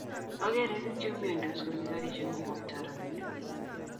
agere piik che umiandos komi garishek ko koitoi rabinik